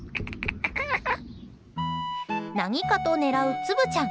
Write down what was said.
何かと狙う、つぶちゃん。